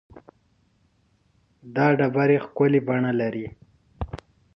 دا ډبرې ښکلې بڼه لري.